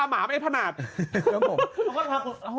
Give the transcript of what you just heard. หมดละสิบครั้งเออ